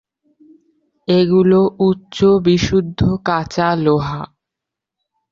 এগুলো উচ্চ বিশুদ্ধ কাঁচা লোহা।